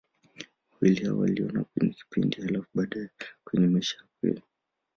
Wawili hao waliona kwenye kipindi, halafu baadaye kwenye maisha ya kweli.